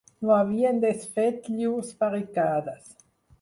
No havien desfet llurs barricades